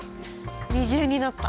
二重になった！